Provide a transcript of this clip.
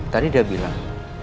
tadi dia bilang